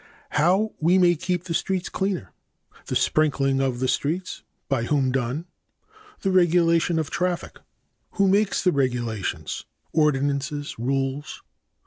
g. How we may keep the streets cleaner. h. The sprinkling of the streets. 1. By whom done. 3. The regulation of traffic. a. Who makes the regulations (ordinances, rules)?